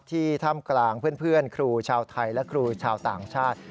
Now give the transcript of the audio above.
ท่ามกลางเพื่อนครูชาวไทยและครูชาวต่างชาติ